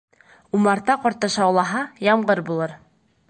Умарта ҡорто шаулаһа, ямғыр булыр.